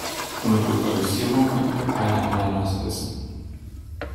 Ohne Globalisierung könnten wir keine Ananas essen.